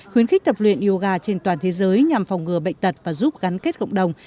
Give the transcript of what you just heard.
khuyến khích tập luyện yoga trên toàn thế giới nhằm phòng ngừa bệnh tật và giúp gắn kết cộng đồng